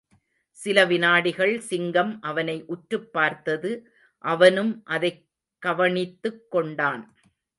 சில விநாடிகள் சிங்கம் அவனை உற்றுப் பார்த்தது, அவனும் அதைக் கவணித்துக்கொண்டான்.